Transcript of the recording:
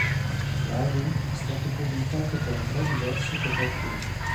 L'album è stato pubblicato con tre diverse copertine.